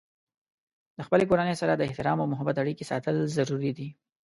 د خپلې کورنۍ سره د احترام او محبت اړیکې ساتل ضروري دي.